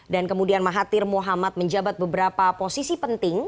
dan kemudian mahathir mohamad menjabat beberapa posisi penting